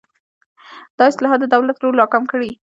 دا اصلاحات د دولت رول راکم کړي.